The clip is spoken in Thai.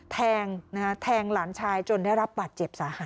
แทงหลานชายจนได้รับบัตรเจ็บสาหัสค่ะ